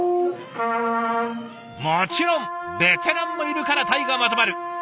もちろんベテランもいるから隊がまとまる！